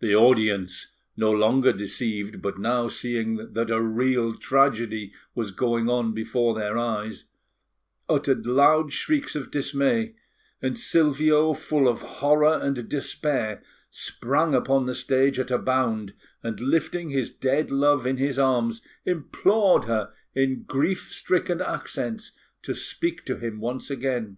The audience, no longer deceived, but now seeing that a real tragedy was going on before their eyes, uttered loud shrieks of dismay; and Silvio, full of horror and despair, sprang upon the stage at a bound, and, lifting his dead love in his arms, implored her in grief stricken accents to speak to him once again.